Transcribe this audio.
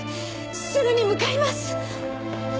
すぐに向かいます！